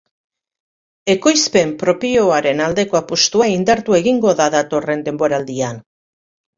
Ekoizpen propioaren aldeko apustua indartu egingo da datorren denboraldian.